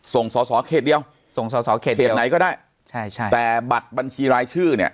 ส่งสอสอเขตเดียวส่งสอสอเขตเขตไหนก็ได้ใช่ใช่แต่บัตรบัญชีรายชื่อเนี่ย